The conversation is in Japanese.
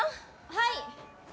はい！